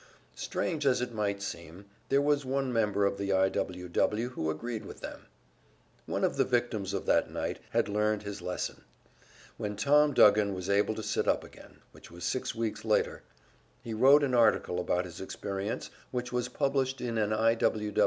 Strange as it might seem, there was one member of the I. W. W. who agreed with them. One of the victims of that night had learned his lesson! When Tom Duggan was able to sit up again, which was six weeks later, he wrote an article about his experience, which was published in an I.